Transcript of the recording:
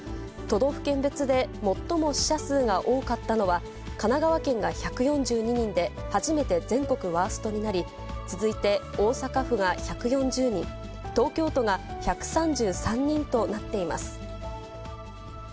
都道府県別で最も死者数が多かったのは、神奈川県が１４２人で初めて全国ワーストになり、続いて大阪府が１４０人、東京都が１３３人となっています。